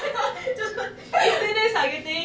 ちょっと待ってＳＮＳ上げていい？